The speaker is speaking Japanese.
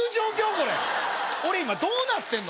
これ俺今どうなってんの？